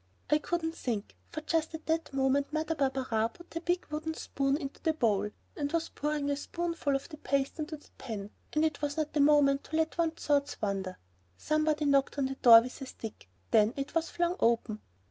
I couldn't think, for just at that moment Mother Barberin put her big wooden spoon into the bowl and was pouring a spoonful of the paste into the pan, and it was not the moment to let one's thoughts wander. Somebody knocked on the door with a stick, then it was flung open.